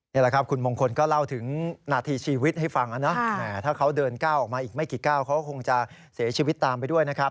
นี่แหละครับคุณมงคลก็เล่าถึงนาทีชีวิตให้ฟังนะถ้าเขาเดินก้าวออกมาอีกไม่กี่ก้าวเขาก็คงจะเสียชีวิตตามไปด้วยนะครับ